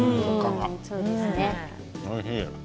おいしい。